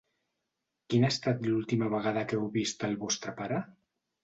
Quina ha estat l’última vegada que heu vist el vostre pare?